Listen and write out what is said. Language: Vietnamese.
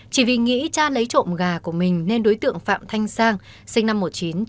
chỉ vì nghĩ cha lấy trộm gà của mình nên đối tượng phạm thanh sang sinh năm một nghìn chín trăm tám mươi